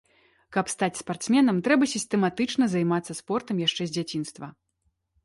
Каб стаць спартсменам, трэба сістэматычна займацца спортам яшчэ з дзяцінства.